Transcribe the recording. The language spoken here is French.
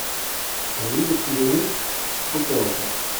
Avez-vous des prisonniers ? Aucun encore.